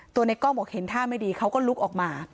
ในกล้องบอกเห็นท่าไม่ดีเขาก็ลุกออกมา